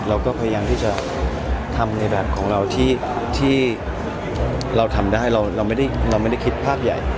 เราก็พยายามที่จะทำในแบบของเราที่เราทำได้เราไม่ได้คิดภาพใหญ่